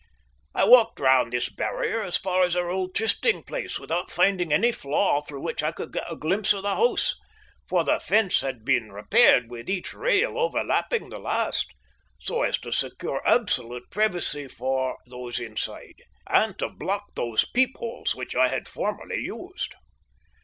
I walked round this barrier as far as our old trysting place without finding any flaw through which I could get a glimpse of the house, for the fence had been repaired with each rail overlapping the last, so as to secure absolute privacy for those inside, and to block those peep holes which I had formerly used.